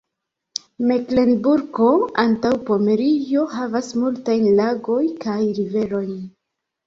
Meklenburgo-Antaŭpomerio havas multajn lagojn kaj riverojn.